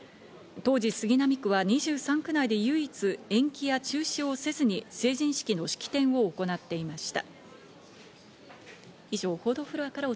当時、杉並区は２３区内で唯一、延期や中止をせずに、成人式の式典を行っていました。